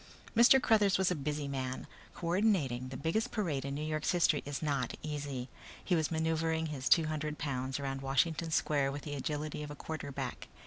_ Mr. Cruthers was a busy man. Coordinating the biggest parade in New York's history is not easy. He was maneuvering his two hundred pounds around Washington Square with the agility of a quarterback.